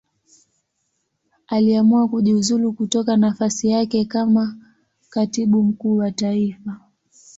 Aliamua kujiuzulu kutoka nafasi yake kama Katibu Mkuu wa Taifa.